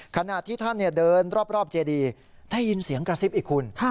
ขณะที่ท่านเดินรอบเจดีได้ยินเสียงกระซิบอีกคุณ